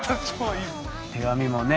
手紙もね